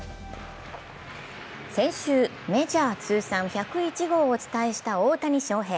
先週、メジャー通算１０１号をお伝えした大谷翔平。